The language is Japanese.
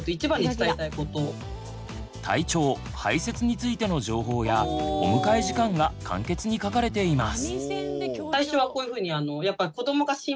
体調排せつについての情報やお迎え時間が簡潔に書かれています。